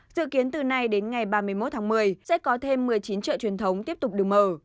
dự kiến từ nay đến ngày ba mươi một tháng một mươi sẽ có thêm một mươi chín chợ truyền thống tiếp tục được mở